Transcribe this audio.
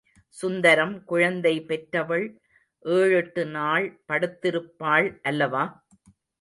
சுந்தரம் குழந்தை பெற்றவள் ஏழெட்டு நாள் படுத்திருப்பாள் அல்லவா?